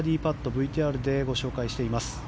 ＶＴＲでご紹介しています。